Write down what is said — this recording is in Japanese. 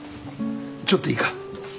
ちょっといいか？